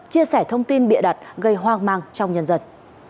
chia sẻ thông tin bịa đặt gây hoang mang trong nhân dân